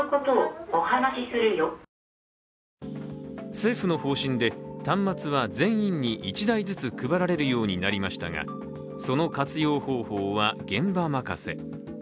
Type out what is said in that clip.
政府の方針で、端末は全員に１台ずつ配られるようになりましたがその活用方法は現場任せ。